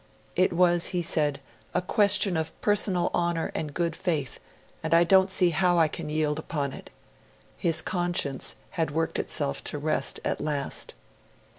It was, he said, 'a question of personal honour and good faith, and I don't see how I can yield upon it'. His conscience had worked itself to rest at last.